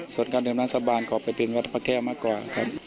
ส่วนการดื่มน้ำสาบานขอไปเป็นวัดพระแก้วมากกว่าครับ